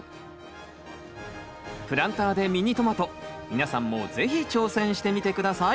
プランターでミニトマト皆さんも是非挑戦してみて下さい。